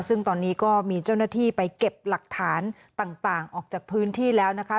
ซึ่งตอนนี้ก็มีเจ้าหน้าที่ไปเก็บหลักฐานต่างออกจากพื้นที่แล้วนะคะ